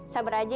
sabar aja ya